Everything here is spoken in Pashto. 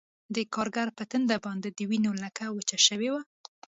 د کارګر په ټنډه باندې د وینو لیکه وچه شوې وه